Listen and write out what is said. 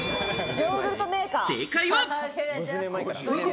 正解は。